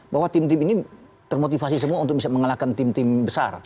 bahwa tim tim ini termotivasi semua untuk bisa mengalahkan tim tim besar